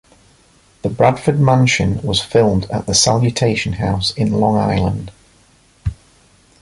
The Bradford Mansion was filmed at the Salutation House in Long Island.